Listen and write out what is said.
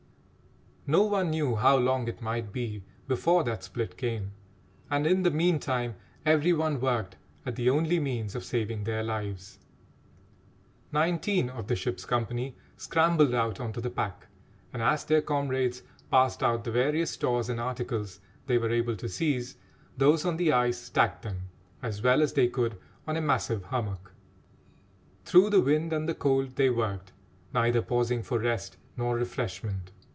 No one knew how long it might be before that split came, and in the meantime every one worked at the only means of saving their lives. Nineteen of the ship's company scrambled out on to the pack, and, as their comrades passed out the various stores and articles they were able to seize, those on the ice stacked them, as well as they could, on a massive hummock. Through the wind and the cold they worked, neither pausing for rest nor refreshment.